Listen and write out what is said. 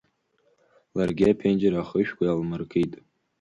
Ларгьы аԥенџьыр ахышәқәа алмыркит.